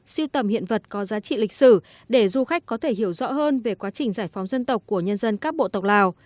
siêu tầm hiện vật có giá trị lịch sử để du khách có thể hiểu rõ hơn về quá trình giải phóng dân tộc của nhân dân các bộ tộc lào